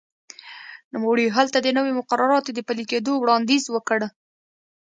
نوموړي هلته د نویو مقرراتو د پلي کېدو وړاندیز وکړ.